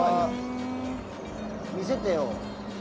見せてよ。